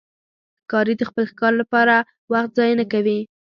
ښکاري د خپل ښکار لپاره وخت ضایع نه کوي.